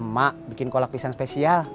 mak bikin kolak pisang spesial